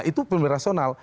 itu pemilih rasional